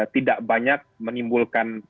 tidak banyak menimbulkan